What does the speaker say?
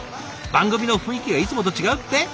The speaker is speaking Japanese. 番組の雰囲気がいつもと違うって？